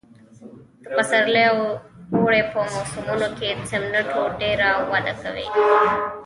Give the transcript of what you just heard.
د پسرلي او اوړي په موسمونو کې سېمنټوم ډېره وده کوي